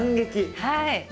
はい。